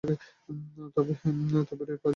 তবে রে পাজির দলবল!